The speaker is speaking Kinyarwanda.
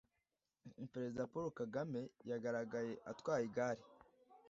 Perezida paul kagame yagaragaye atwaye igare